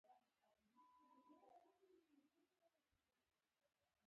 انسان تر هماغه وخته ازادي لري.